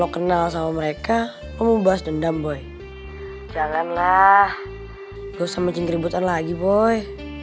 gak usah mencingkir ributan lagi boy